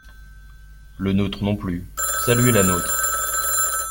Le nôtre non plus, saluez la nôtre.